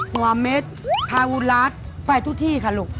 หัวเม็ดพาวุณรัฐไปทุกที่ค่ะลูก